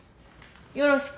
よろしく。